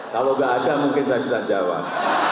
kalau nggak ada mungkin saya bisa jawab